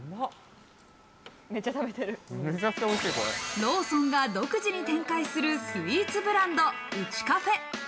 ローソンが独自に展開するスイーツブランド、ウチカフェ。